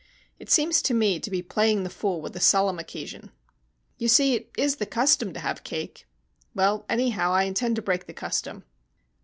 It seems to me to be playing the fool with a solemn occasion." "You see, it is the custom to have cake." "Well, anyhow, I intend to break the custom."